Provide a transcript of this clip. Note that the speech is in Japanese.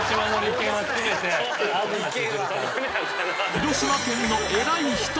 広島県の偉い人！